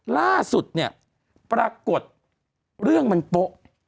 ล่าสุดเนี่ยปรากฏเรื่องมันโป๊ะ